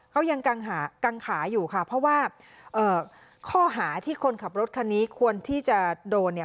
เขายังกังขาอยู่ค่ะเพราะว่าข้อหาที่คนขับรถคันนี้ควรที่จะโดน